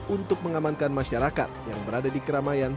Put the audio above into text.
untuk mengamankan masyarakat yang berada di keramaian